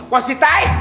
wah si tai